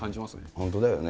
本当だよね。